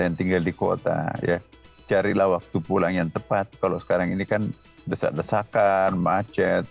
yang tinggal di kota ya carilah waktu pulang yang tepat kalau sekarang ini kan desak desakan macet